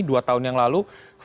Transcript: dua tahun yang lalu